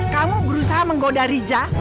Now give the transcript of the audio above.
kamu berusaha menggoda riza